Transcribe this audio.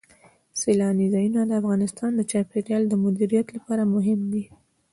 سیلانی ځایونه د افغانستان د چاپیریال د مدیریت لپاره مهم دي.